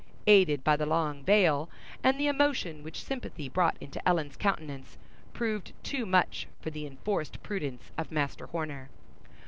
— aided by the long veil, and the emotion which sympathy brought into Ellen's countenance, proved too much for the enforced prudence of Master Horner.